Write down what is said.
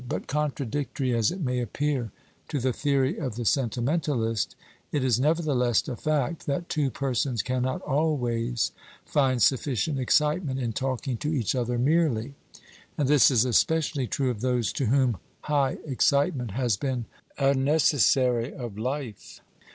But, contradictory as it may appear to the theory of the sentimentalist, it is nevertheless a fact, that two persons cannot always find sufficient excitement in talking to each other merely; and this is especially true of those to whom high excitement has been a necessary of life.